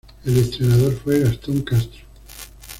El entrenador fue Gastón Castro.